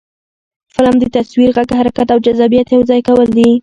فلم د تصویر، غږ، حرکت او جذابیت یو ځای کول دي